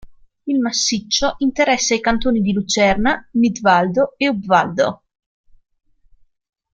Il massiccio interessa i cantoni di Lucerna, Nidvaldo e Obvaldo.